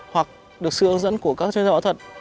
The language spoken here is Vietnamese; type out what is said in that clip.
hoặc được sự hướng dẫn của các chuyên gia thật